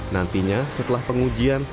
nantinya setelah pengujian